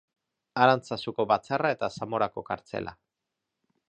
Arantzazuko batzarra eta Zamorako kartzela.